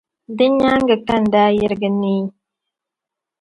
Di nyaaŋa ka n daa yirigi neei.